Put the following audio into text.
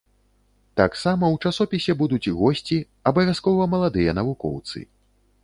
Таксама ў часопісе будуць госці, абавязкова маладыя навукоўцы.